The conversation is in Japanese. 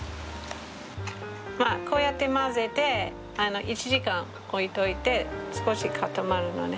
まあこうやって混ぜて１時間置いといて少し固まるのね。